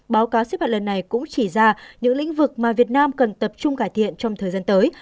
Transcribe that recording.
báo cáo xếp hạt lần này cũng chỉ ra những lĩnh vực mà việt nam cần tập trung cải thiện trong thời gian tới